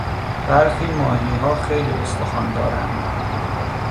برخی ماهیها خیلی استخوان دارند.